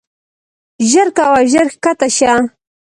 ژر کوه ژر کښته شه.